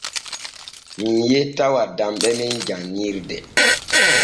Mii yetta waddamɓe men janŋirde.